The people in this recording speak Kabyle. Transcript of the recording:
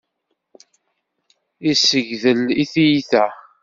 Yessegdel i tyita.